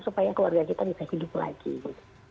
supaya keluarga kita bisa hidup lagi gitu